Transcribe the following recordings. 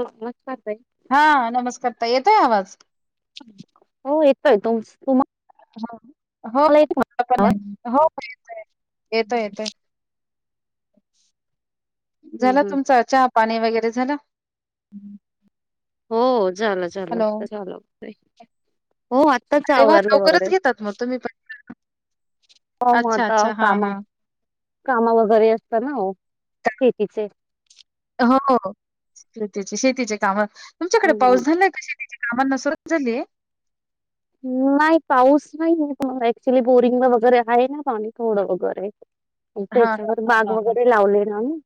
हो नस्कार हा नमस्कारता येतोय आवाज हो येतोय त तुम्हा हो हो म पण हो येत येतो येतोय झाला हम्म हम्म तुमच चहा पाणी वगैरे झालं हो लं ल हॅलो. चाल हो आत्ताच अरे वाह! आवर्ज वगैरे लवकरच घेतात मग तुम्ही पण. हो अच्छा, मता अच्छा. हां, कामा हां. कामा वगैरे असत ना शेतीचे हो शेतीची शेतीचे काम तुमच्याकडे हम्म. पाऊस झालाय का शेती आमला नसर झाली आहे नाही पाऊस नाही तुम्हाला ऍक्च्युली बोरिंगला वगैरे आहे ना पाणी थोडं वगैरे हां, हां, त्याच्यावर हां, बाग हां, हां. वगैरे लावले ना म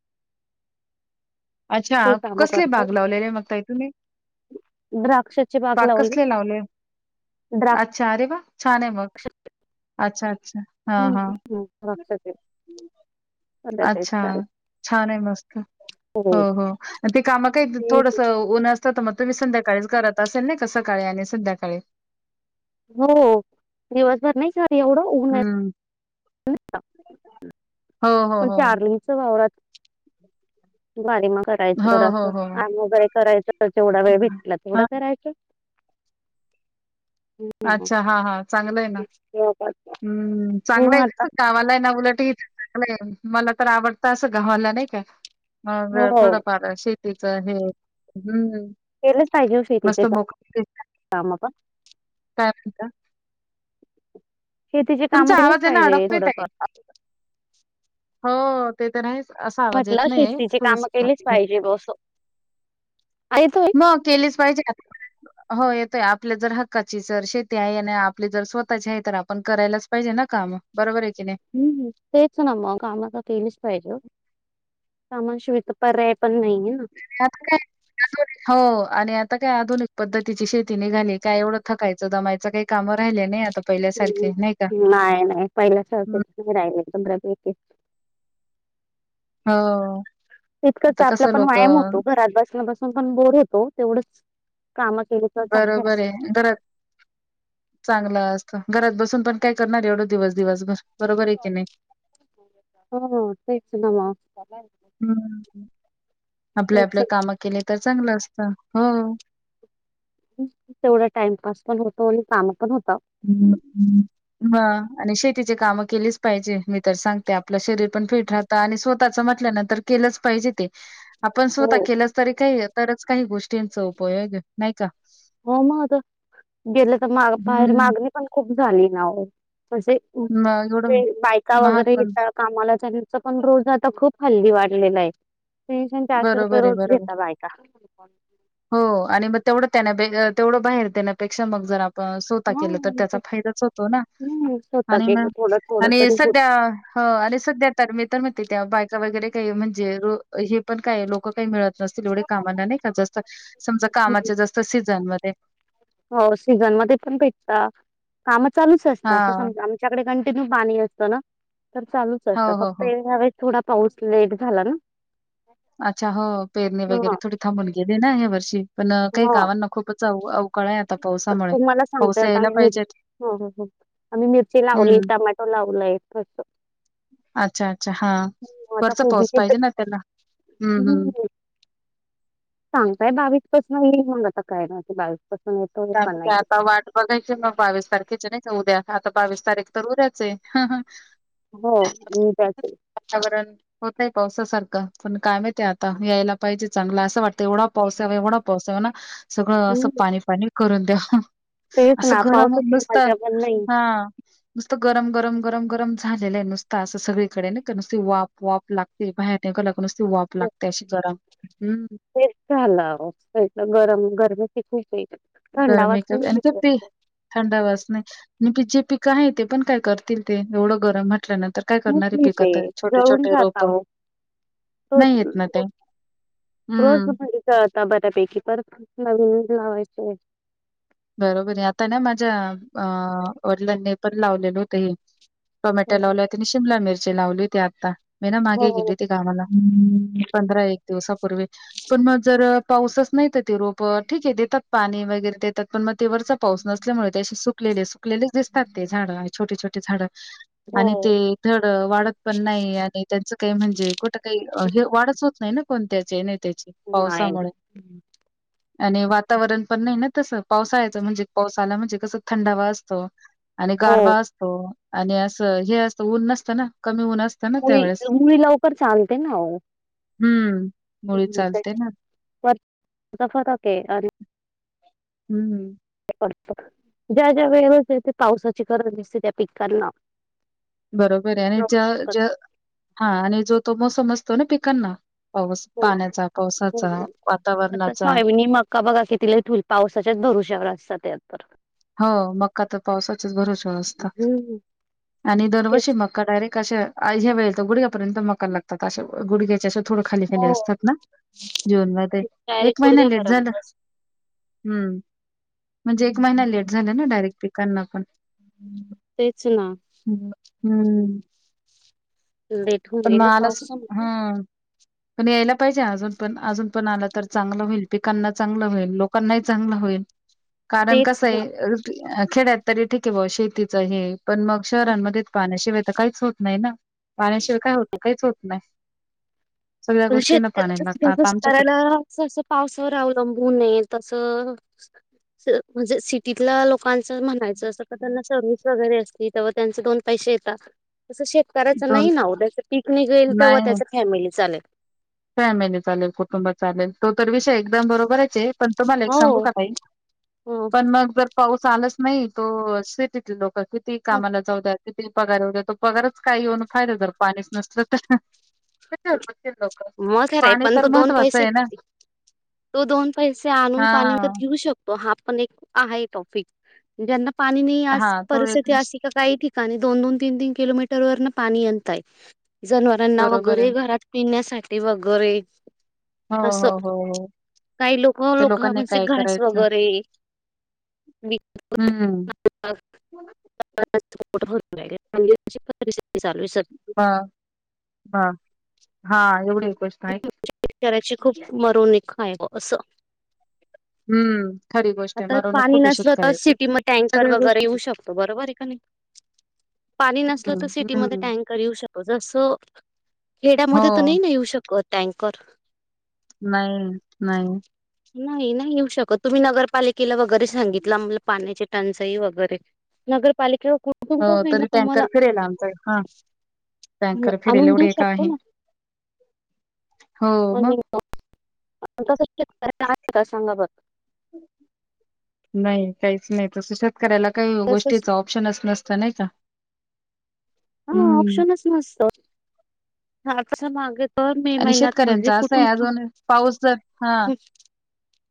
अच्छा ते काम कसले करतो भाग लावलेले मगता इथूनी द्राक्षाची बाग लावली द्राक्ष छ मग अच्छा अच्छा हा हम्म, हा हम्म, द्राक्षाचे अच्छा छानान मस्त हो हो ते काम काही थोडंसं नं असतं तर मग तुम्ही संध्या सकाळी करात असेल ना क सकाळी आणि सध्याकाळी हो दिवासभर नाही स एवढं उघ हं. हो, हो, म्हण हो. च आारलिंगच वावरात बारी म करायचं हो, तर हो, असं हो. आम वगैरे करायचं तर जेवढा वेळ हं. भेटला तेवढं हां. करायचं हम्म अच्छा हा हा चांगलंय ना हो हम्म चांगलं मग आहे आता कसं गवाला आहे ना उलटच चांगलं आहे मला तर आवडतं असं गावाला नाही का मग हो थोडंफार शेती तच आहे हम्म केलंच पाहिजे शेतीच कामा काय म्हणता शेतीची कामं तुमचा केलीच आवाज येना पाहिजे अडकतोय ताई थोडंफार हो ते तर असा आवाज येत म्हटलं नाही शेतीची थोडस कामं केलीच पाहिजे बस येतोय म केलीच पाहिजे हो येतोय आपल्या जर हक्काची जर शेती आहे आणि आपली जर स्वतःची आहे तर आपण करायलाच पाहिजे ना काम बरोबर आहे की नाही हम् तेच ना मग कामाता केलीच पाहिजे कामाशीवाय तर पर्याय पण नाहीये ना त्यात काय हो आणि आता काय आधुनिक पद्धतीची शेती निघाली काय एवढं थकायचं दमायचं काही काम राहिले नाही आता पहिल्यासारखे नाही का हम्म नाही नाही पहिल्या स हं नाही राहिले पंधरा दिवस हो तितकंच आता आपला कसं पण लोक व्यायाम होतो घरात बसण्या बसून पण बोर होतो तेवढंच कामं केली तर चांगले बरोबर असतात. आहे घरात चांगलं असत घरात बसून पण काय करणार एवढं दिवस दिवसभर बरोबर आहे की नाही ह तेच ना म हम् आपल्या तेच आपल्या काम केले तर चांगलं असतं हो तेवढा टाइमपास पण होतो आणि काम पण होतात ह आणि शेतीचे काम केलीच पाहिजे मी तर सांगते आपलं शरीर पण फिट राहत आणि स्वतः च म्हटल ना तर केलंच पाहिजे ते आपण हो स्वतः केलंच तरी काही तरच काही गोष्टींचा उपयोग आहे नाही का हो मग गेलं तर माग बाहेर हम्म. मागणी पण खूप झाली ना मग एवढं बायका महाग वगैरे पण येत कामाला त्यांच पण रोज आता खूप हल्ली वाढलेला आहे तीनशे चारशे रुपये बरोबर आहे, रोज बरोबर. घेतात बायका त्याना तेवढं बाहेर देण्यापेक्षा मग जर आपण स्वतः केलं तर हं त्याचा फायदाच होतो ना हं स्वतः आणि केलं मग थोडं थोडं आणि तरी होत. सध्या ह आणि सध्या तर मी तर म्हणते त्या बायका वगैरे काही म्हणजे हे पण काय लोक काही मिळत तील एवढे कामांना नाही का जास्त समजा कामाच्या जास्त सीझन मध्ये हो सीझन मध्ये पण भेटतं काम चालूच असतात अस हां. समज आमच्याकडे पाणी असतं ना तर चालूच हो, असतं हो, फक्त हो. ह्या वेळेस थोडा पाऊस लेट झाला ना अच्छा हो पेरणे ह वगैरे थोडी थांबून गेले ना ह्या वर्षी पण काही ह गावानं खूपच च अवकाळ आहे आता पावसामुळे तुम्हाला पाऊस सांगतायत यायला आम्ही पाहिजेत मिरची हो हो हो आम्ही मिरची लावली हं. टमॅटो लावलय अच्छा अच्छा हा वरचा पाऊस कोबीचे तर पाहिजे ना त्यांना हम्म हम्म सांगताय बावीसपासून मग आता काय ना ते बावीसपास त्या त्या आता वाट बघ की मग बावीस तारखेच नाही जाऊ द्या आता बावीस तारीख तर हा ह हो मी त्याच नाही पावसासारखं पण काय माहित आहे आता यायला पाहिजे चांगला असं वाटतं एवढा पाउस यावा एवढा पाऊस यावा ना सगळं असं हम्म, पाणी पाणी करून द्याव तेच असं ना गरम पावसाची नुसतं मजा पण नाही हा नुसतं गरम गरम गरम गरम झालेलं आहे नुसत असं सगळीकडे नुसती वाप वाप लागते बाहेर का नुसती वाफ लागते अशी गरम हम्म ते झालं गरम गरमीेची खूप गर्मी एनकप थंडावा थंडावाच नाही आणि पी जे पिकं आहे ते पण काय करतील ते एवढं गरम म्हटलं ना न ते जळून जाता रोप हो हो नाही येत ना ते रोज हम्म त बऱ्यापैकी पर फ नवी लावायचे बरोबर आहे आता ना माझ्या अं वडिलांनी पण लावलेलं होत हे टोमॅटो लावला हो आणि शिमला मिरची लावली होती आता मी ना मागे गेली ती कामाला पंधरा एक दिवसापूर्वी पण मग जर पाऊसच नाही तर ते रोप ठीक आहे देतात पाणी वगैरे देतात पण मग ते वरचा पाऊस नसल्यामुळे तेे असे सुकलेले सुकलेले दिसतात ते झाडं छोटी छोटे झाडं ह आणि ते धड वाढत पण नाही आणि त्यांचं काही म्हणजे कुठं काही हे वाढच होत नाही ना कोणत्याचे आहे नाही त्याची नाही पावसामुळे आणि वातावरण पण नाही ना तसं पावसाळ्याचं म्हणजे पाऊस आला म्हणजे कसं थंडावा असतो आणि हो गारवा असतो आणि असं हे असतं ऊन नसतं ना कमी ऊन असतं ना मुळी त्यावेेळेस. मुळी लवकर चालते ना हम्म मुळी चालते ह् ना दक अ [unintelligible] हम्म हम् ज्या ज्या वेळेवर पावसाची गरज दिसते त्या पिकांना बरोबर आहे आणि ज्या ज्या आवश्यकच हा आणि जो तो मोसम असतो ना पिकांना पाऊस हो पाण्याचा पावसाचा हो आता वातावरणाचा सोयाबीन मका बघा किती लेट पावसाच्याच भरश्यावर असतातत हो मका तर पावसाचेच भरोशावर असतात हम्म. आणि दरवर्षी तेच मक्का डायरेक्ट अशा ह्यावेळेपर्यंत गुडघ्यापर्यंत मका लागतो असं गुडघ्याचे असं थोड खाली खाली हो असतात ना जून मध्ये डायरेक्ट एक महिना लेट झाला गुडघ्यापर्यंत हम्म म्हणजे एक महिना हम्म. लेट झाला ना डायरेक्ट पिकांना पण तेच ना हम्म हम्म. लेट होऊन पण गेलं मलाच पावसामध्ये हम् पण यायला पाहिजे अजून पण अजून पण आलं तर चांगलं होईल पिकांना चांगलं होईल लोकांनाही चांगलं होईल होईल कारण तेच कस ना आहे खेड्यात तरी ठीक आहे बॉ शेतीच हे पण मग शहरांमध्ये पाण्याशिवाय तर काहीच होत नाही ना पाण्याशिवाय होत काहीच होत नाही सगळ्या गोष्टींना शेतकऱ्याला पाणी शेती लागतं करण्यासाठी आता आमच्याकडे शेतकऱ्यालास पावसावर अवलंबून आहे तसं ह् म्हणजे सिटीतल्या लोकांच म्हणायचं असं का त्यांना सर्व्हिस वगैरे असतील तेव्हा त्यांचे दोन पैसे मिळतात तसं शेतकऱ्याच दोन नाही ना ओ जेव्हा उद्या पिक निघेल तर नाही त्याच्या फॅमिली चालेल फॅमिली चालेल कुटुंबात चालेल तो तर विषय एकदम बरोबरच आहे पण तुम्हाला एक सांगू हो का ताई पण मग जर पाऊस आलाच नाही तो शेतीतले लोक किती कामाला जाऊ द्या ति पगार वर तो पगारच काही येऊन फायदा तर पाणीच नसत तर कशावर बस लोक मग खर आहे पाणी पण तर तो दोन महत्त्वाचं पैसे आहे ना तो दोन पैसे आणून पाणी विकत हा घेऊ शकतो तो हा पण एक आहे टॉपिक ज्यांना पाणी नाही हा आज तो एक परिस्थिती विष अशी आहे काही आणि दोन दोन तीन तीन किलोमीटर वर न पाणी आणताय जनावरांना बरोबर आहे. घरोघरी घरात पिण्यासाठी वगोरे हो असं हो हो हो काही लोक त्या लोक लोकांनी म्हणजे काय घास करायचं वगैरे [inaudible] हम्म. [inaudible] ह ह हा एवढे विचाराची खूप मरवणूक [inaudible] आहे असं हम्म खरी गोष्ट आहे आता मरवणूक पाणी खूप आहे नसलं तर शेतकऱ्याची सिटीमध्ये टँकर सगळ्या वगैरे गोष्टी येऊ शकतो बरोबर आहे का नाही. पाणी नसल तर हम्म सिटीमध्ये हम्म टँकर येऊ शकतो जसं हो खेड्यामध्ये तर नाही ना येऊ शकत टँकर नाही नाही नाही नाही येऊ शकत तुम्ही नगर पालिकेला वगैरे सांगितलं आम्हाला पाण्याची टंचाई वगैरे नगरपालिकेवरून हो तरी टँकर फिरेल आमचा हा ह टँकर फिरेल आणून देऊ एवढे का शकतो आहे ना हो पण मग कस श आहे का सांगा बघ [unintelligible] नाही काहीच नाही तस शक करायला काही तसंच गोष्टीचा ऑप्शनच नसत नाही का हा हम्म ऑप्शनच नसत ह माग आणि शेतकऱ्यांचा असं आहे अजून पाऊस जर हा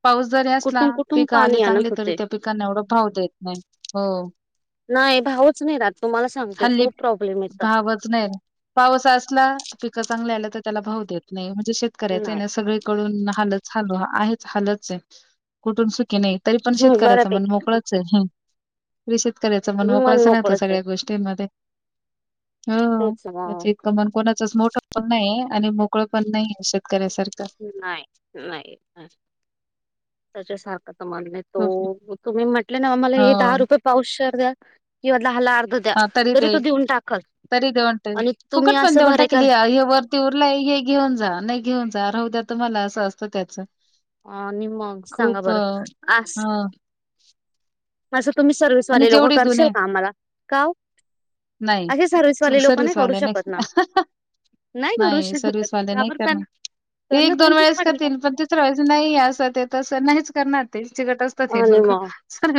पाऊस जरी असला कुठून कुठून पिकं आली पाणी आणत चांगली तरी होते त्या पिकांना एवढा भाव देत नाही हो नाही भाऊच नाही राात तुम्हाला सांगते हल्ली खूप प्रॉब्लेम येत भावच नाही पाऊस असला पिकं चांगल्या आल्या तर त्याला भाव देत नाही म्हणजे शेतकऱ्याचे ना नाही सगळीकडून हालत चालो आहेच हालच आहे कुठून की नाही तरी पण शेतकऱ्याच म्हण बऱ्यापैकी मोकळच आहे षे करायचा म्हण मन मोकळाच नाहीत मोकळच आहे सगळ्या गोष्टींमध्ये ह तेच त्याच मग इतकं मण कोणाचच मोठं पण नाही आणि मोकळं पण नाही शकत नाही नाही त्याच्या त खूप हो. तुम्ही म्हटले ना आम्हाला हे दहा हां, रुपये पाऊशेर द्या किंवा दहाला अर्ध द्या तरी तो देऊन टाकाल तरी देऊन टाक आणि तुम्ही असं भरे कर र हे घेऊन जा नाही घेऊन जा राहऊद्या तुम्हाला असं असतं त्याच अ नि मग सांगा बरं आ हां असं तुम्ही आणि सर्विसवाले लोकं जेवढी करशल दुनिया कामला का नाही, अे चूक सर्विसवाले लोकां नाही करू सर्व्हिसवाले शकत ना नाही करू शकतात का बर त्यांना त्यांना एक दोन त्यांचेच वेळेस पाटील का करतील पण तिसऱ्या वेळेस नाहीये असं तेेतं नाही करणार ते चिकट असतात आणि लोक मग सर्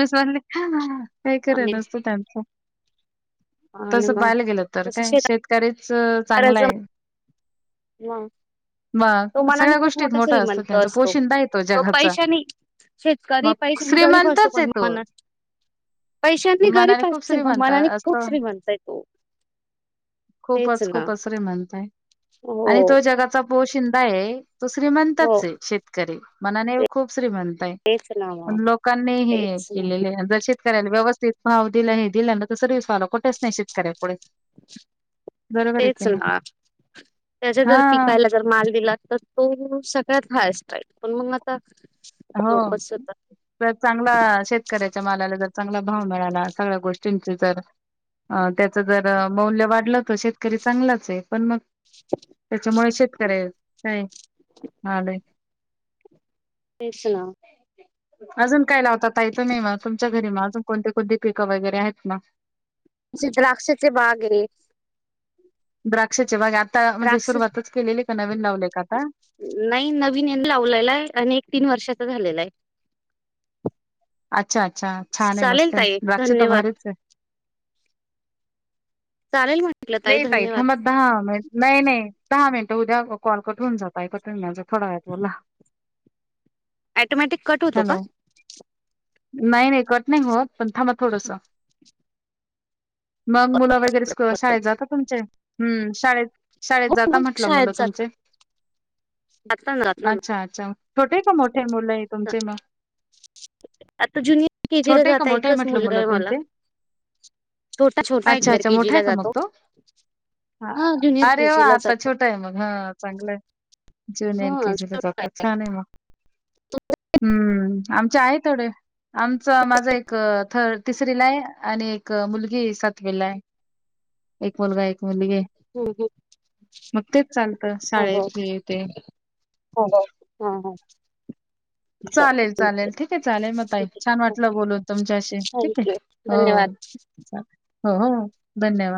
पाय कि आणि रन नसतो त्यांचां आणि तसं मग पायल गेलं तर तस काय शेतकरीच चांगला आहे ह तो मग मनाने सगळ्या खूप गोष्टीत मोठा श्रीमंत त्यांचा असतो पोशिंदा आहे तो जगाचा. पैशानी शेतकरी मग पैशनी गरीब असतो श्रीमंतच आहे पण तो मनात पैशांनी मनाने घरीब खूप असते मग श्रीमंत मनाने खूप असतो. श्री म्हणचा आहे तो ते पसरे म्हणताय आणि तो जगाचा पो शिंदा आहे तू हो श्रीमंतच आहे शेतकरी मनाने खूप श्रीमंत तेच ना प मग लोकांनी हे तेच ना. केलेले ज करायला व्यवस्थित भाव दिला हे दिलं ना त सरवीस वायला कुठच नाही शेत करायला [inaudible] की तेच नाही ना त्याच्या जर हा पिकायला जर माल दिला तर तो सगळ्यात हायस्ट आहे पण मग आता हो लोकच होता तर चांगला शेतकऱ्याच्या मालाला जर चांगला भाव मिळाला सगळ्या गोष्टींचे जर अ त्याचं जर मौल्य वाढलं तर शेतकरी चांगलाच आहे पण मग त्याच्यामुळे शेतकऱय काय आलेय तेचना अजून काय लावतात य तु नाही म तुमच्या घरी म अजून कोणती कोणती पिकं वगैरे आहेत ना. आमची द्राक्षचे बाग आहे. द्राक्षाचे बघे आता म्हणजे द्राक्ष सुरुवातच केलेली का नवी.. नाही नवीन लावलेलाय आणि एक तीन वर्षाचा झालेला आहे.. अच्छा अच्छा छान हे चालेल मस्त ताई द्राक्ष धन्यवाद भारीचच... चालेल म.. नाही त इथं मग दहा मि नाही नाही दहा मिनटं उद्या कॉल कठून जातय कतून घ जात... थोडावेळ बोला.... ऍटोमॅटिक कट होतो का? नाय नाय कट नाय होत पण थांबा थोडस. मग मुलं वगैरे स्क शाळेत जातात तुमचे हम्म शाळेत... शाळेत जाता म्हंटलं शाळेत मुलं जात तुमचे? जाताना जाताना अच्छां अच्छां छोटे का मोठे मुले तुमचे म? आता ज्युनियर के जी ला छोटे का जाता मोठेय एकच म्हंटलं मुलगा मुलं आहे मला तुमचे? छोटा छोटा आहे अच्छा ज्युनियर अच्छा के जी मोठाय ला का जातो मग? हां हा ज्युनियर के अरे जी वा ला आता जातो छोटाय मग हं चांगलंय. जून हा एलके जीला छोटा आहे जातात छानाय मग हम्म् आमचे आहेत थोडे.... आमचं माझा एकं थ तिसरीलाय आणि एकं मुलगी सातवीलाय. एक मुलगा एक... मुलगी हो हो मग तेच चालतं शाळेेचेते.... हां हां.... चालेल चालेल ठीके चालेल म ताई छान वाटलं बोलून तुमच्याशी ठीके थँक्यू हो. धन्यवाद चाल होहो धन्यवाद.....